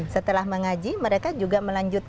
setelah mengaji mereka juga melanjutkan